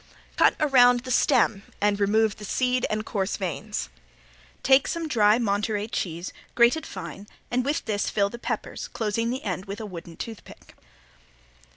Cut around the stem and remove the seed and coarse veins. Take some dry Monterey cheese, grated fine, and with this fill the peppers, closing the end with a wooden toothpick.